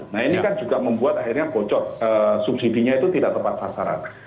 nah ini kan juga membuat akhirnya bocor subsidinya itu tidak tepat sasaran